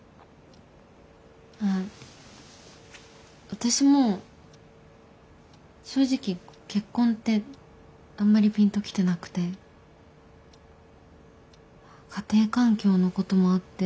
私も正直結婚ってあんまりピンときてなくて家庭環境のこともあって。